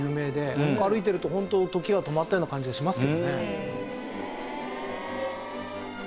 あそこを歩いてるとホント時が止まったような感じがしますけどね。